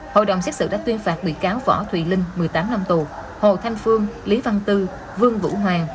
hội đồng xét xử đã tuyên phạt bị cáo võ thùy linh một mươi tám năm tù hồ thanh phương lý văn tư vương vũ hoàng